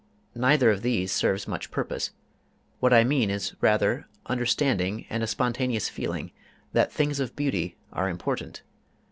Neither of these serves much purpose. What I mean is rather understanding, and a spontaneous feeling that things of beauty are important.